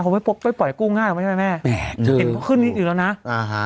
ขึ้นดอกเบี้ยสินเชื่อเองนะ